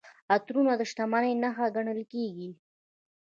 عطرونه د شتمنۍ نښه ګڼل کیږي.